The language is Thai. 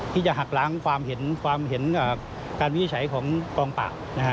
ที่จะหากล้างความเห็นการวิจัยของกองป่า